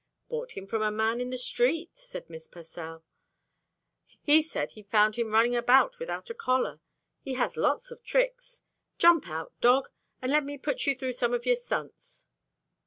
"Bought him from a man in the street," said Miss Pursell. "He said he found him running about without a collar. He has lots of tricks. Jump out, dog, and let me put you through some of your stunts."